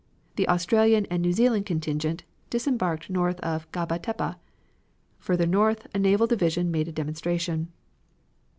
The Australian and New Zealand contingent disembarked north of Gaba Tepe. Further north a naval division made a demonstration.